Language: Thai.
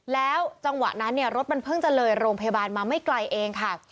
แล้วจังหวะนั้นเนี่ยรถมันเพิ่งจะเลยโรงพยาบาลมาไม่ไกลเองค่ะ